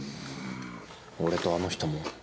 俺とあの人も。